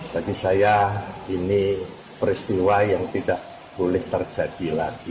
bagi saya ini peristiwa yang tidak boleh terjadi lagi